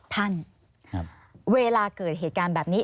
ท่านเวลาเกิดเหตุการณ์แบบนี้